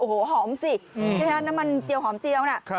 โอ้โหหอมสิน้ำมันเจียวหอมเจียวนะ